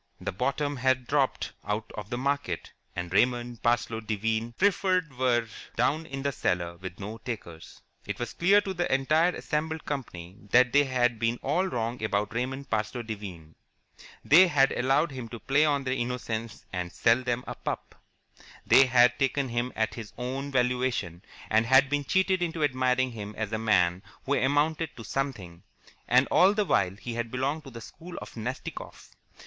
The bottom had dropped out of the market, and Raymond Parsloe Devine Preferred were down in the cellar with no takers. It was clear to the entire assembled company that they had been all wrong about Raymond Parsloe Devine. They had allowed him to play on their innocence and sell them a pup. They had taken him at his own valuation, and had been cheated into admiring him as a man who amounted to something, and all the while he had belonged to the school of Nastikoff.